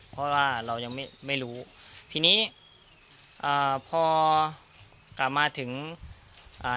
เพราะว่าเรายังไม่ไม่รู้ทีนี้อ่าพอกลับมาถึงอ่า